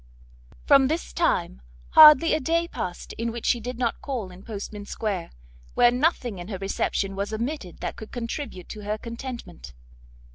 From this time, hardly a day passed in which she did not call in Portman square, where nothing in her reception was omitted that could contribute to her contentment.